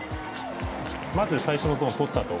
まず最初のゾーンとったと。